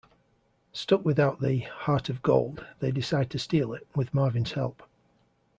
Stuck without the "Heart of Gold", they decide to steal it, with Marvin's help.